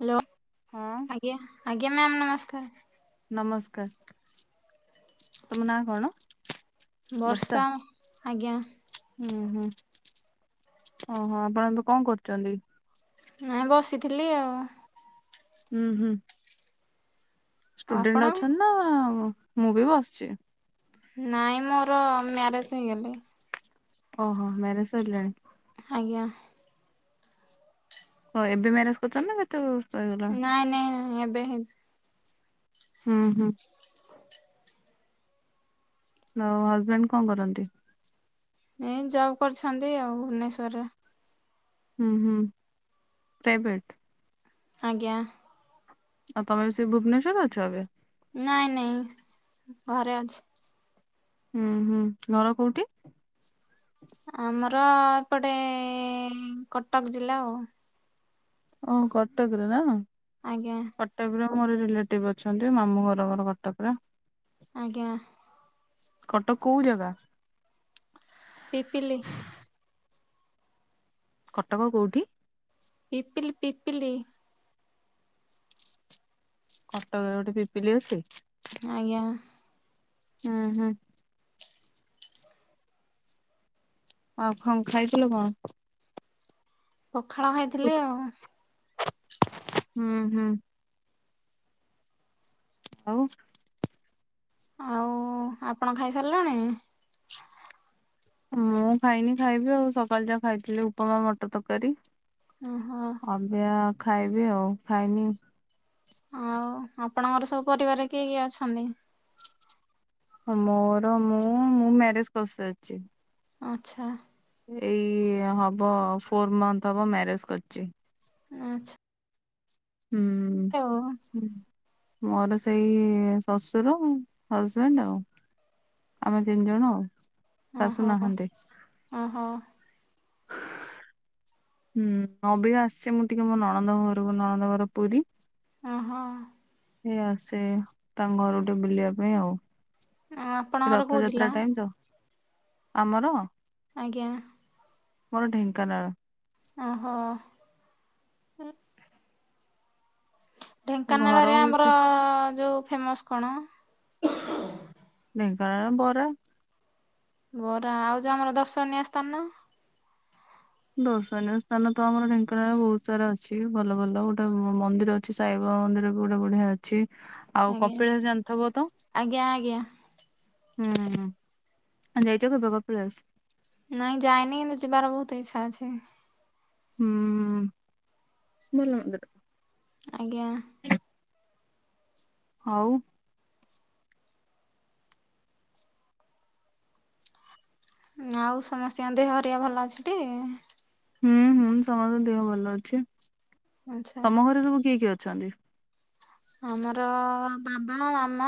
Hello ହଁ ଆଜ୍ଞା ଆଜ୍ଞା ମ୍ୟାମ ନମସ୍କାର। ନମସ୍କାର ତମ ନାଁ କଣ? ବର୍ଷା ଆଜ୍ଞା। ହୁଁ ହୁଁ ଓହୋ ଆପଣ ଏବେ କଣ କରୁଛନ୍ତି? ନାଇଁ ବସିଥିଲି ଆଉ। ହୁଁ ହୁଁ। ଆଉ ଆପଣ? ଷ୍ଟୁଡେଣ୍ଟ ଅଛନ୍ତି ନା ମୁଁ ବି ବସିଛି। ନାଇଁ ମୋର ମ୍ୟାରେଜ ହେଇଗଲେ। ଓହୋ ମ୍ୟାରେଜ ସରିଲାଣି। ଆଜ୍ଞ। ହଁ ଏବେ ମ୍ୟାରେଜ କରିଚ ନା ସେତେବେଳୁ। ନାଇଁ ନାଇଁ ଏବେ ହେଇଚି। ହୁଁ ହୁଁ। ଆଉ ହଜବେଣ୍ଡ କଣ କରନ୍ତି? ଏଇ ଜବ କରଛନ୍ତି ଆଉ ହୁବନେଶ୍ୱରରେ। ହୁଁ ହୁଁ ପ୍ରାଇଭେଟ? ଆଜ୍ଞା। ଆଉ ତମେ ବି ସେଇ ଭୁବନେଶ୍ୱର ଅଛ ଏବେ? ନାଇଁ ନାଇଁ ଘରେ ଅଛି। ହୁଁ ହୁଁ ଘର କୋଉଁଠି? ଆମର ଏପଟେ କଟକ ଜିଲ୍ଲା ଆଉ। ଓ କଟକରେ ନା? ଆଜ୍ଞା। କଟକରେ ମୋର ରିଲେଟିଭ ଅଛନ୍ତି ମାମୁଁ ଘର ଘର କଟକରେ। ଆଜ୍ଞା। କଟକ କୋଉଁ ଜାଗା? ପିପିଲି କଟକ କୋଉଁଠି? ପିପିିଲି ପିପିିଲି। କଟକରେ ଗୋଟେ ପିପିଲି ଅଛି? ଆଜ୍ଞା। ହୁ ହୁଁ। ଆଉ କଣ ଖାଇଥିଲ କଣ? ପଖାଳ ଖାଇଥିଲି ଆଉ। [unintelligible] ହୁଁ ହୁଁ। ଆଉ। ଆଉ ଆପଣ ଖାଇ ସାରିଲେଣି? ମୁଁ ଖାଇନି ଖାଇବି ଆଉ ସକାଳୁ ଯା ଖାଇଥିଲି ଉପମା ମଟର ତରକାରୀ। ଓହୋ। ଏବେ ଆ ଖାଇବି ଆଉ ଖାଇନି। ଆଉ ଆପଣଙ୍କର ସବୁ ପରିବାରେ କିଏ କିଏ ଅଛନ୍ତି? ମୋର ମୁଁ ମୁଁ ମ୍ୟାରେଜ କରିସାରିଛି। ଆଛା। ଏଇ ହବ ଫର୍ ମନ୍ଥ ହବ ମ୍ୟାରେଜ କରିଛି। ଆଛା ହୁଁ ହୁଁ। ମୋର ସେଇ ଶ୍ୱଶୁର ହଜବେଣ୍ଡ ଆଉ। ଆମେ ତିନି ଜଣ ଆଉ ଶାଶୁ ଓହୋ ନାହାନ୍ତି। ଓହୋ [unintelligible] ହୁଁ ଅବିକା ଆସିଚି ମୁଁ ଟିକେ ମୋ ନଣନ୍ଦ ଘରକୁ ନଣନ୍ଦ ଘର ପୁରୀ ଓ ହୋ। ଏଇ ଆସେ ତାଙ୍କ ଘରଟେ ବୁଲିବା ପାଇଁ ଆଉ। ଆଉ ଆପଣଙ୍କର କୋଉ ଜିଲ୍ଲା? ରଥଯାତ୍ରା ଟାଇମ ତ ଆମର। ଆଜ୍ଞା। ମୋର ଢେଙ୍କାନାଳ। ଓ ହୋ [inaudible] ଘର ଢେଙ୍କାନାଳରେ ଆମର ହଉଛି ଯୋଉ ଫେମସ କଣ? ଢେଙ୍କାନାଳରେ ବରା। ବରା ଆଉ ଯୋଉ ଆମର ଦର୍ଶନୀୟ ସ୍ଥାନ? ଦର୍ଶନୀୟ ସ୍ଥାନ ତ ଆମର ଢେଙ୍କାନାଳରେ ବହୁତ ସାରା ଅଛି ଭଲ ଭଲ ଗୋଟେ ମନ୍ଦିର ଅଛି ସାଇବା ମନ୍ଦିର ବି ଗୋଟେ ବଢିଆ ଅଛି। ଆଉ ଆଜ୍ଞା କପିଳାସ ଜାଣିଥବ ତ ଆଜ୍ଞା ଆଜ୍ଞା। ହୁଁ। ହୁ ଯାଇଛ କେବେ କପିଳାସ? ନାଇଁ ଯାଇନି କିନ୍ତୁ ଯିବାର ବହୁତ ଇଛା ଅଛି। ହୁଁ ଭଲ ହୁଅନ୍ତା ତ ଆଜ୍ଞା ହଉ ଆଉ ସମସ୍ତଙ୍କ ଦେହ ହରିଘା ଭଲ ଅଛିଟି? ହୁଁ ହୁଁ ସମସ୍ତଙ୍କ ଦେହ ଭଲ ଅଛି ଆଚ୍ଛା। ତମ ଘରେ ସବୁ କିଏ କିଏ ଅଛନ୍ତି? ଆମର ବାବା ମାମା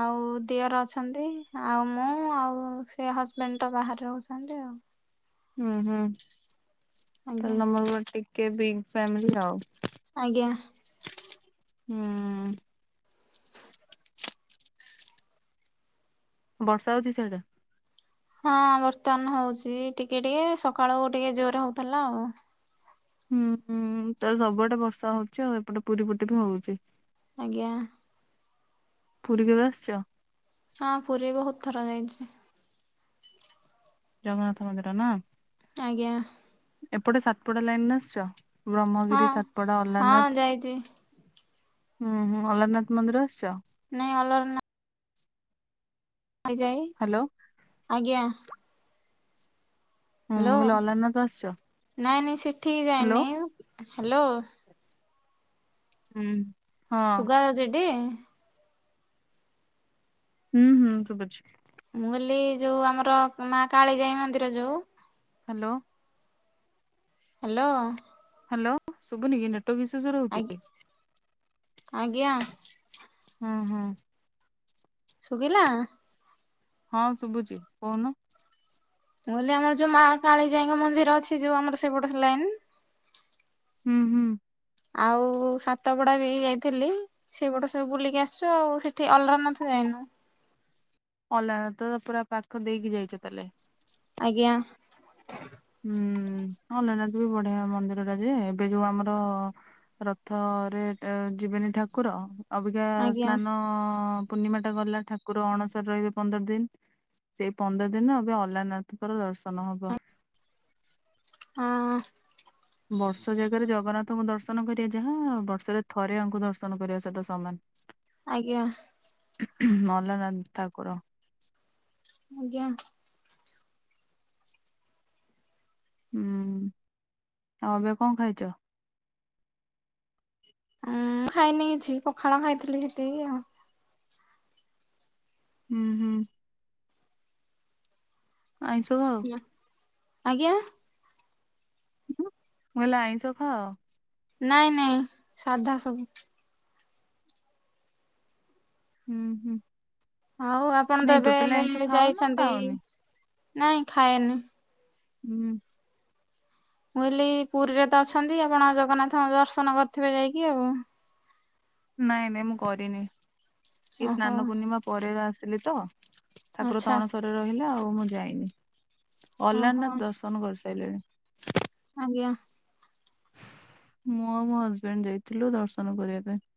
ଆଉ ଦିଅର ଅଛନ୍ତି ଆଉ ମୁଁ ଆଉ ସେ ହଜବେଣ୍ଡ ତ ବାହାରେ ରହୁଛନ୍ତି ଆଉ [inaudible] ହୁଁ ହୁଁ ଆଜ୍ଞା ତାହେଲେ ତମର ବି ଟିକେ ବିଗ୍ ଫ୍ୟାମିଲ ଆଉ ଆଜ୍ଞା ହୁଁ ବର୍ଷା ହଉଛି ସିଆଡେ ହଁ ବର୍ତ୍ତମାନ ହଉଛି ଟିକେ ଟିକେ ସକାଳକୁ ଟିକେ ଜୋରରେ ହଉଥିଲା ଆଉ ହୁଁ ହୁଁ ତାହେଲେ ସବୁଆଡେ ବର୍ଷା ହଉଛି ଆଉ ଏପଟେ ପୁରୀ ପଟେ ବି ହଉଛି ଆଜ୍ଞା ପୁରୀ କେବେ ଆସଛ? ହଁ ପୁରୀ ବହୁତ ଥର ଯାଇଛି ଜଗନ୍ନାଥ ମନ୍ଦିର ନା ଆଜ୍ଞା ଏପଟେ ସାତପଡା ଲାଇନ ଆସିଛ ହଁ ବ୍ରହ୍ମଗିରି ସାତପଡା ହଁ ଅଲାନାଥ ଯାଇଛି। ହୁଁ ହୁଁ ଅଲରନାଥ ମନ୍ଦିର ଆସିଛ ନାଇଁ ଅଲର ଆଯାଏ ହ୍ୟାଲୋ ଆଜ୍ଞା ହୁଁ ମୁଁ ହ୍ୟାଲୋ କହିଲି ଅଲାରନାଥ ଆସିଛ ନାଇଁ ନାଇଁ ସେଠି ହ୍ୟାଲୋ ଯାଏନି ହ୍ୟାଲୋ ହୁଁ ହଁ ସୁୁଗାର ଯଡି ହୁଁ ହୁଁ ତୁ ବୁଝ ମୁଁ କହିଲି ଯୋଉ ଆମର ମା କାଳିଜାଇ ମନ୍ଦିର ଯୋଉ ହ୍ୟାଲୋ ହ୍ୟାଲୋ ହ୍ୟାଲୋ ଶୁଭୁନି କି ନେଟ ରହୁଛି ଆଜ୍ଞା ଆଜ୍ଞା ହଁ ହଁ ସୁଖିଲ ହଁ ଶୁଭୁଛି କହୁନ ବଲେ ଆମର ଯୋଉ ମା କାଳୀଜାଙ୍କ ମନ୍ଦିର ଅଛି ଯୋଉ ଆମର ସେପଟ ଲାଇନ୍ ହୁଁ ହୁଁ ଆଉ ସାତପଡା ବି ଯାଇଥିଲି ସେପଟ ସବୁ ବୁଲିକି ଆସିଛୁ ଆଉ ସେଠି ଅଲରନାଥ ଯାଇ ହଁ [inaudible] ଲା ତ ପୁରା ପାଖ ଦେଇକି ଯାଇଛ ତାଲେ ଆ୍ଞ ହଁ ହଁ ଅନନାଥ ବି ବଢିଆ ମନ୍ଦିର ଟା ଯେ ଏବେ ଯୋଉ ଆମର ରଥରେ ଯିବେନି ଠାକୁର ଅବିକା ଆଜ୍ଞା ସ୍ନାନ ପୂର୍ଣ୍ଣିମା ଟା ଗଲା ଠାକୁର ଅଣସର ରହିବେ ପନ୍ଦର ଦିନ ସେଇ ପନ୍ଦର ଦିନ ଏବେ ଅଲାନଥଙ୍କର ଦର୍ଶନ ହବ ହ ବର୍ଷ ଜାଗାରେ ଜଗନ୍ନାଥଙ୍କୁ ଦର୍ଶନ କରିବା ଯାହା ବର୍ଷରେ ଥରେ ଆଙ୍କୁ ଦର୍ଶନ କରିବା ସେହିତ ସମାନ ଆଜ୍ଞା ନଲାନନ୍ଦ ଠାକୁର ଆଜ୍ଞା [inaudible] ହୁଁ ଆଉ ଏବେ କଣ ଖାଇଛ [inaudible] ହଁ ଖାଇନି କିଛି ପଖାଳ ଖାଇଥିଲି ସେଠକି ଆଉ [unintelligible] ହୁଁ ହୁଁ [unintelligible] ଆଇଷ ଆଉ [unintelligible] ଆଜ୍ଞା [inaudible] ଗଲେ ଆଇ ସଖା [unintelligible] ନାଇଁ ନାଇଁ ସାଧା ସବୁ [unintelligible] ହୁଁ ହୁଁ [unintelligible] ହଉ ଆପଣ ତ ନାଇଁ ଏବେ ଟୋଟାଲି ଆଇଁଷ ଖାଅ ନା ଯାଇଛନ୍ତି ଖାଅନି ନାଇଁ ଖାଏନି [unintelligible] ହୁଁ [unintelligible] ବୁିଲି ପୁରୀରେ ତ ଅଛନ୍ତି ଆପଣ ଜଗନ୍ନାଥ ଦର୍ଶନ କରିଥିବେ ଯାଇକି ଆଉ [inaudible] ନାଇଁ ନାଇଁ ମୁଁ କରିନି ଏ ଓହୋ ସ୍ନାନ ପୂର୍ଣ୍ଣିମା ପରେ ଆସିଲି ତ [inaudible] ଠାକୁର ଆଚ୍ଛା ତଣସରରେ ରହିଲେ ଆଉ ମୁଁ ଯାଇନି ଓହୋ ଅଲାରନାଥ ଦର୍ଶନ କରିସି [inaudible] ଚାିଲ [unintelligible] ଆ୍ଞ [unintelligible] ମୁଁ ଆଉ ମୋ ହଜବେଣ୍ଡ ଯାଇଥିଲୁ ଦର୍ଶନ କରିବା ପାଇଁ [inaudible]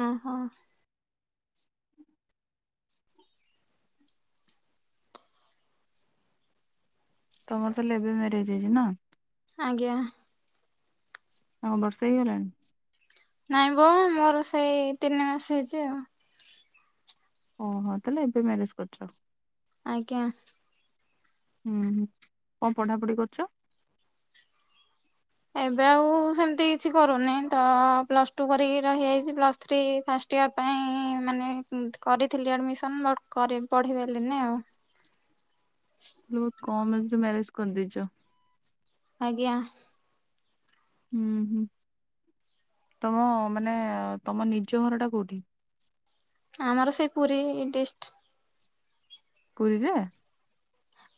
ଓ ହୋ [inaudible] ତମର ତାହଲେ ଏବେ ମ୍ୟାରେଜ ହେଇଛି ନା ଆଜ୍ଞା। ହଁ ବର୍ଷା ହେଇଗଲାଣି? ନାଇଁ ବୋ ମୋର ସେଇ ତିନି ମାସ ହେଇଚି ଆଉ। ଓହୋ ତାହେଲେ ଏବେ ମ୍ୟାରେଜ କରିଚ? ଆଜ୍ଞା। ହୁଁ କଣ ପଢାପଢି କରୁଚ? ଏବେ ଆଉ ସେମିତି କିଛି କରୁନି, ତ ପ୍ଲସ ଟୁ କରିକି ରହିଯାଇଚି, ପ୍ଲସ ଥ୍ରୀ ଫା ପାଈଁ ମାନେ କରିଥିଲି ଆଡିମିସନ୍ ବଟ ପଢ଼ି ପାରିଲିନି ଆଉ। ଖୁବ୍ କମ ଏଜ୍ ରେ ମ୍ୟାରେଜ କରିଦେଇଚ। ଆଜ୍ଞା। ହୁଁ, ହୁଁ। ତମ ମାନେ ତମ ନିଜ ଘର ଟା କୋଉଠି? ଆମର ସେଇ ପୁରୀ ଡିଷ୍ଟ ପୁରୀରେ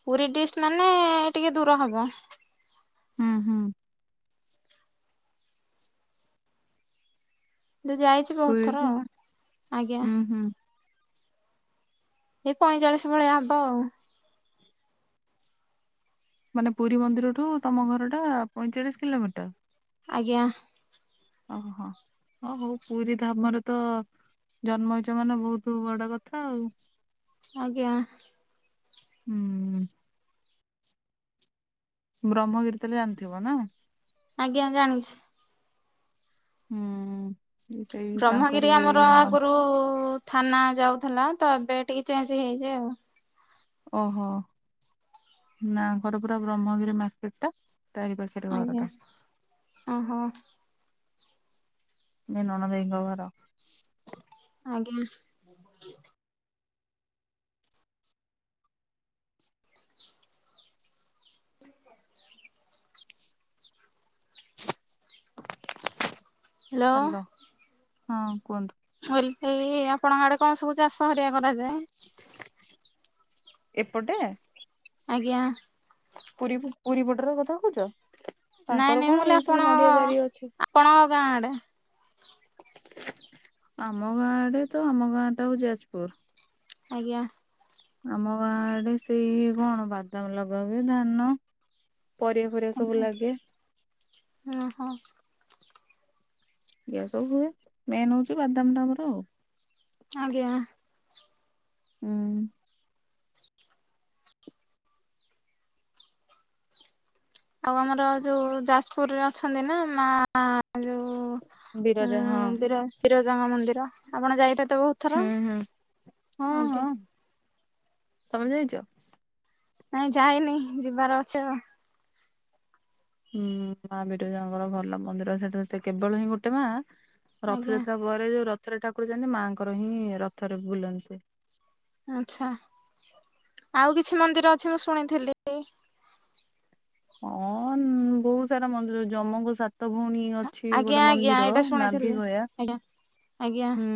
ପୁରୀ ଡିଷ୍ଟ ମାନେ ଟିକେ ଦୂର ହବ। ହଁ। ଯାଇଚି ବୋହୁତ ଥର ପୁରୀରୁ ଆଉ ଆଜ୍ଞା। ହୁଁ ହୁଁ ଏଇ ପଇଁଚାଳିଶ ଭଳିଆ ହବ ଆଉ। ମାନେ ପୁରୀ ମନ୍ଦିରଠୁ ତମ ଘର ଟା ପଇଁଚାଳିଶ କିଲୋମିଟର। ଆଜ୍ଞା। ଓହୋ ହ ହୋଉ ପୁରୀ ଧାମରେ ତ ଜନ୍ମ ହେଇଚ ମାନେ ବୋହୁତ ବଡ କଥା ଆଉ। ଆଜ୍ଞା। ହୁଁ। ବ୍ରହ୍ମଗିରି ତାହେଲେ ଜାଣିଥିବ ନା? ଆଜ୍ଞା ଜାଣିଚି। ହୁଁ। ସେଇ ବ୍ରହ୍ମଗିରି ତାଙ୍କରି ଆମର ନଣନ୍ଦ ଆଗରୁ ଥାନା ଯାଉଥିଲା। ତ ଏବେ ଟିକ ଚେଞ୍ଜ ହେଇଯା ଆଉ। ଓହୋ ନା ଘର ପୁରା ବ୍ରହ୍ମଗିରି ମାର୍କେଟ ଟା। ତାରି ପାଖରେ ଘର ଆଜ୍ଞା ଟା। ଓହୋ। ନଣନ୍ଦେଇଙ୍କ ଘର। ଆଜ୍ଞା। ହେଲୋ। ହାଲୋ ହଁ କୁହନ୍ତୁ? [unintelligible] ଏଇ ଆପଣଙ୍କ ଆଡେ କଣ ସବୁ ଚାଷ ହେରିକା କରାଯାଏ? ଏପଟେ? ଆଜ୍ଞା। ପୁରୀ ପୁରୀ ପଟର କଥା କୋହୁଚ? ନାଇଁ ତାଙ୍କର ନାଇଁ ମୁଁ କଣ କହିଲି ଏଇ ସବୁ ଆପଣଙ୍କ ନଡିଆ ବାରି ଅଛି। ଆପଣଙ୍କ ଗାଁ ଆଡେ ଆମ ଗାଁ ଆଡେ ତ ଆମ ଗାଁ ଟା ଯାଜପୁର। ଆଜ୍ଞା। ଆମ ଗାଁ ଆଡେ ସେଇ କଣ ବାଦାମ ଲଗାହୁଏ, ଧାନ। ପରିବା ଫରିବା ସବୁ ଲାଗେ। ଅ ହୋ। ଇ ସବୁ ହୁଏ ମେନ୍ ହୋଉଚି ବାଦାମ ଟା ଆମର ଆଉ। ଆଜ୍ଞା। ହୁଁ। ଆଉ ଆମର ଯୋଉ ଯାଜପୁରରେ ଅଛନ୍ତି ନା ମା ଯୋଉ ଉଁ ବିରଜା ହଁ। ବିର ବିରଜାଙ୍କ ମନ୍ଦିର ଆପଣ ଯାଇ ହୁଁ ହୁଁ ହଁ ଆଜ୍ଞା। ହଁ ତମେ ଯାଇଚ? ନାଇଁ ଯାାଇନି ଯିବାର ଅଛି। ହୁଁ ମା ବିରଜାଙ୍କର ଭଲ ମନ୍ଦିର ସେଟା ସେ କେବଳ ହିଁ ଗୋଟେ ମା ଆଜ୍ଞା ରଥଯାତ୍ରା ପରେ ଯୋଉ ରଥରେ ଠାକୁର ଯାଆନ୍ତି ମାଆଙ୍କର ହିଁ ରଥରେ ବୁଲନ୍ତି ସିଏ। ଆଚ୍ଛା। ଆଉ କିଛି ମନ୍ଦିର ଅଛି ମୁଁ ଶୁଣିଥିଲି। ହଁ ବହୁତ ସାରା ମନ୍ଦିର ଜମଙ୍କ ସା ଭଉଣୀ ଅଛି ଆଜ୍ଞା ଗୋଟେ ଆଜ୍ଞା ମନ୍ଦିର ଏଇଟା ଶୁଣିଥିଲି। ନାଭି ଗୟା। ଆଜ୍ଞା ଆଜ୍ଞା ହୁଁ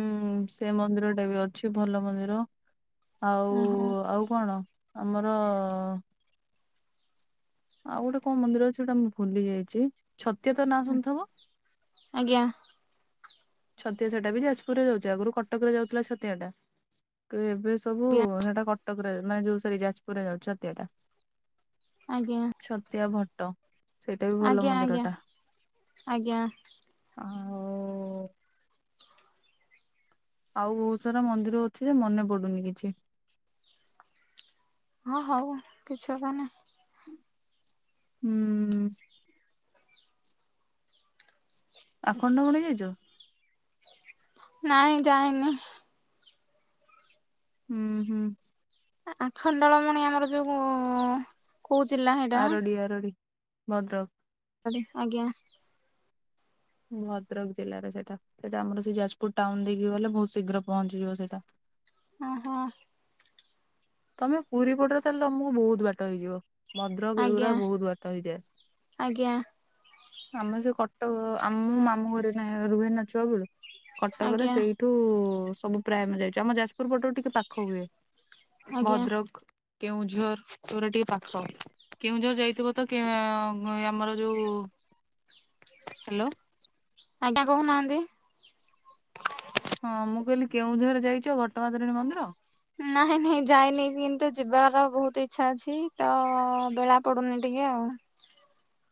ସେ ମନ୍ଦିର ଟା ବି ଅଛି ଭଲ ମନ୍ଦିର ଆଉ ଓହୋ ଆଉ କଣ? ଆମର ଆଉ ଗୋଟେ କଣ ମନ୍ଦିର ଅଛି ଯୋଉଟା ମୁଁ ଭୁଲି ଯାଇଚି। ଛତିଆ ତ ନାଁ ଶୁଣିଥିବ? ଆଜ୍ଞା ଆଜ୍ଞା ଛତିଆ ସେଟା ବି ଯାଜପୁରରେ ଯାଉଚି ଆଗରୁ କଟକ ରେ ଯାଉଥିଲା ଛତିଆ ଟା। ତ ଏବେ ସବୁ ସେଟା କଟକରେ ନା ଯୋଉ ସରି ଯାଜପୁରରେ ଯାଉଚି ଛତିଆଟା। ଆଜ୍ଞା ଛତିଆ ଭଟ୍ଟ ସେଇଟା ବି ଭଲ ଆଜ୍ଞା ମନ୍ଦିର ଆଜ୍ଞା ଟା। ଆଜ୍ଞା। ଆଉ ଆଉ ବହୁତ ସାରା ମନ୍ଦିର ଅଛି ଯେ ମନେ ପଡୁନି କିଛି। ହଁ ହଉ କିଛି କଥା ନାହିଁ। ହୁଁ। ଆଖଣ୍ଡଳମଣି ଯାଇଚ? ନାଇଁ ଯାଇନି। ହୁଁ ହୁଁ। ଆଖଣ୍ଡଳମଣି ଆମର ଯୋଉ କୋଉ ଜିଲ୍ଲା ହେଟା? ଆରଡି ଆରଡି ଭଦ୍ରକ। ଆଜ୍ଞା। ଭଦ୍ରକ ଜିଲ୍ଲାରେ ସେଇଟା ସେଟା ଆମର ସେ ଯାଜପୁର ଟାଉନ ଦେଇକି ଗଲେ ବହୁତ ଶୀଘ୍ର ପହଞ୍ଚିଯିବ ସେଇଟା। ଓହୋ। ତମେ ପୁରୀ ପଟରେ ତାହେଲେ ତମକୁ ବହୁତ ବାଟ ହେଇଯିବ। ଭଦ୍ରକ ଆଜ୍ଞା ଏଉରା ବହୁତ ବାଟ ହେଇଯାଏ ଆଜ୍ଞା ଆମେ ଭଦ୍ରକ କଟକ ଆମ ମାମୁଁ ଘରେ ନା ରୁହେ ନା ଛୁଆ ବେଳୁ ଆଜ୍ଞା କଟକରେ ଆଜ୍ଞା ସେଇଠୁ ସବୁ ପ୍ରାୟ ଆମେ ଯାଇଛୁ ଆମ ଯାଜପୁର ପଟୁ ଟିକେ ପାଖ ହୁଏ ଭଦ୍ରକ କେଉଁଝର ଶେଇଗୁରା ଟିକେ ପାଖ କେଉଁଝର ଯାଇଥିବ ତ ଆମର ଯୋଉ ହାଲୋ। ଆଜ୍ଞା କହୁନାହାନ୍ତି। ହଁ ମୁଁ କହିଲି କେଉଁଝର ଯାଇଚ ଘଟଙ୍ଗା ତାରିଣୀ ମନ୍ଦିର? ନାଇଁ ନାଇଁ ଯାଇନି କିନ୍ତୁ ଯିବାର ବହୁତ ଇଚ୍ଛା ଅଛି ତ ବେଳା ପଡୁନି ଟି ଇୟା ଆଉ [inaudible]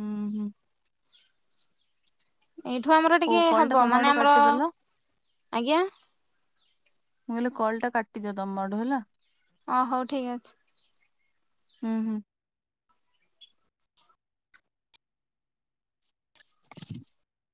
ଉଁ ହୁଁ। ଏଇଠୁ ଆମର ହଉ ଟିକେ କଲ୍ ଟା ହବ ତମ ମାନେ ଆଡୁ ଆମର କାଟିଦେଲ ଆଜ୍ଞା? ମୁଁ କହିଲି କଲ ଟା କାଟିଦଅ ତମ ଆଡୁ ହେଲା। ଓ ହଉ ଠିକ୍ ଅଛି। ଉଁ ହୁଁ। [inaudible]